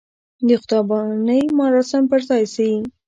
د خدای پامانۍ مراسم پر ځای شي.